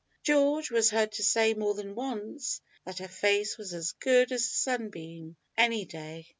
George was heard to say more than once that her face was as good as a sunbeam any day!